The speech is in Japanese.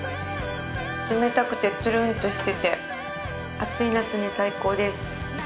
冷たくてつるんとしてて暑い夏に最高です。